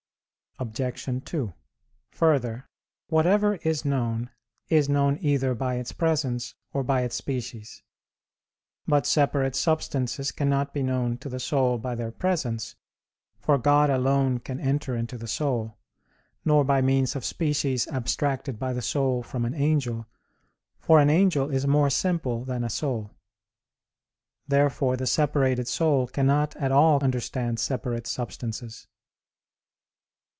Obj. 2: Further, whatever is known is known either by its presence or by its species. But separate substances cannot be known to the soul by their presence, for God alone can enter into the soul; nor by means of species abstracted by the soul from an angel, for an angel is more simple than a soul. Therefore the separated soul cannot at all understand separate substances.